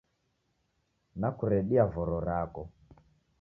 Nakuredia voro rako